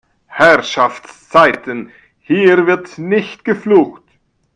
Herrschaftszeiten, hier wird nicht geflucht!